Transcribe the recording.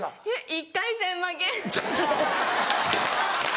１回戦負け。